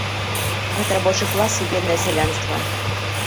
Гэта рабочы клас і беднае сялянства.